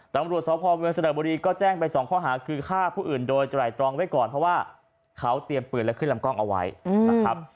ตำรวจสพเมืองสระบุรีก็แจ้งไปสองข้อหาคือฆ่าผู้อื่นโดยไตรตรองไว้ก่อนเพราะว่าเขาเตรียมปืนและขึ้นลำกล้องเอาไว้นะครับ